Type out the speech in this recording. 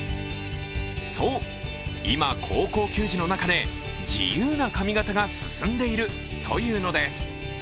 そう、今、高校球児の中で自由な髪形が進んでいるというのです。